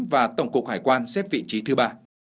và tổng cục hải quan xếp vị trí thứ ba